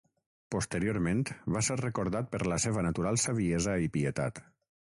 Posteriorment, va ser recordat per la seva natural saviesa i pietat.